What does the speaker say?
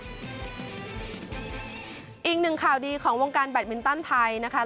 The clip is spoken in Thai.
อีกหนึ่งข่าวดีของวงการแบตมินตันไทยนะคะ